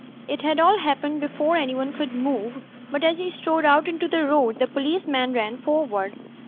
It had all happened before anyone could move, but as he strode out into the road the policeman ran for ward.